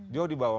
jauh di bawah